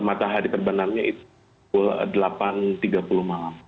matahari terbenamnya itu pukul delapan tiga puluh malam